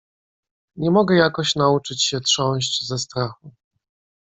"Nie mogę jakoś nauczyć się trząść ze strachu."